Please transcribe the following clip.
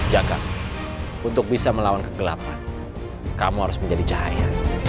jaga untuk bisa melawan kegelapan kamu harus menjadi cahaya